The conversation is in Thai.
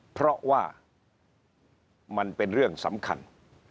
เพราะว่ามันเป็นเรื่องสำคัญ